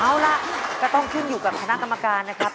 เอาล่ะก็ต้องขึ้นอยู่กับคณะกรรมการนะครับ